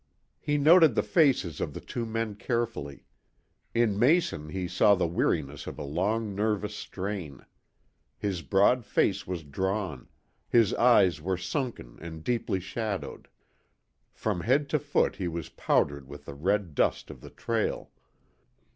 He noted the faces of the two men carefully. In Mason he saw the weariness of a long nervous strain. His broad face was drawn, his eyes were sunken and deeply shadowed. From head to foot he was powdered with the red dust of the trail.